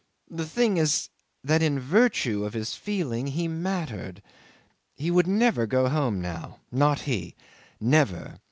The thing is that in virtue of his feeling he mattered. He would never go home now. Not he. Never.